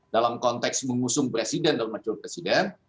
dalam konteks mengusung presiden dan wakil presiden